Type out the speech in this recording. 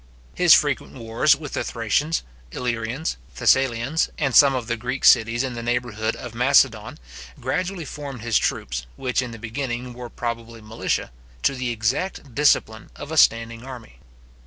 His frequent wars with the Thracians, Illyrians, Thessalians, and some of the Greek cities in the neighbourhood of Macedon, gradually formed his troops, which in the beginning were probably militia, to the exact discipline of a standing army.